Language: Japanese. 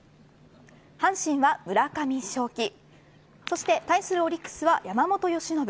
阪神は村上頌樹そして対するオリックスは山本由伸。